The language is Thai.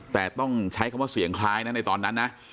แต่ต้องใช้คำว่าเสียงคล้ายนะในตอนนั้นนะ